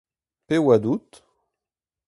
Pet oad out ?